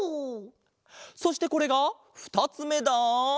そしてこれがふたつめだ。